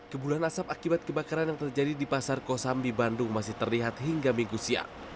kebulan asap akibat kebakaran yang terjadi di pasar kosambi bandung masih terlihat hingga minggu siang